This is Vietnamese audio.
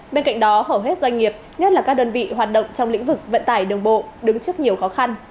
bên cạnh đó hầu hết doanh nghiệp nhất là các đơn vị hoạt động trong lĩnh vực vận tải đường bộ đứng trước nhiều khó khăn